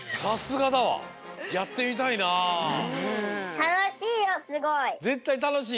たのしいよすごい！